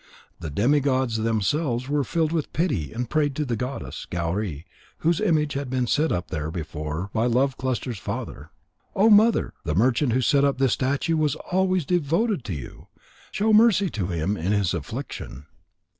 The demi gods themselves were filled with pity and prayed to the goddess Gauri whose image had been set up there before by Love cluster's father: "Oh, Mother, the merchant who set up this statue was always devoted to you. Show mercy to him in his affliction."